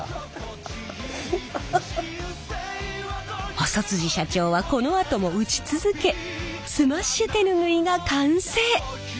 細社長はこのあとも打ち続けスマッシュ手ぬぐいが完成。